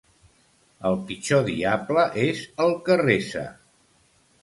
El pitjor diable és el que resa.